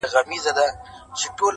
ما پر اوو دنياوو وسپارئ! خبر نه وم خو!